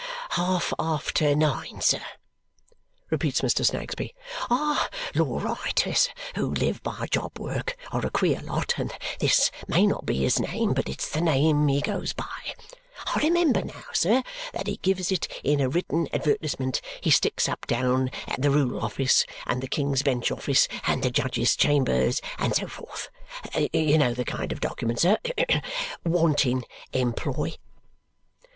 "Half after nine, sir," repeats Mr. Snagsby. "Our law writers, who live by job work, are a queer lot; and this may not be his name, but it's the name he goes by. I remember now, sir, that he gives it in a written advertisement he sticks up down at the Rule Office, and the King's Bench Office, and the Judges' Chambers, and so forth. You know the kind of document, sir wanting employ?"